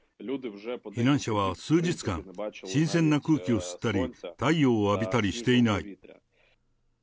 避難者は数日間、新鮮な空気を吸ったり、太陽を浴びたりしていない。